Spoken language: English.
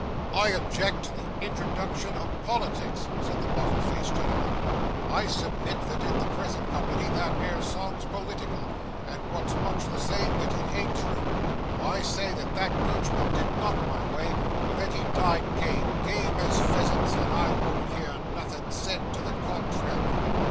'I object to the introduction o' politics,' said the mottled faced gentleman. 'I submit that, in the present company, that 'ere song's political; and, wot's much the same, that it ain't true. I say that that coachman did not run away; but that he died game game as pheasants; and I won't hear nothin' said to the contrairey.